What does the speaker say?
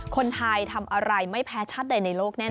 คนไทยทำอะไรไม่แพ้ชาติใดในโลกแน่น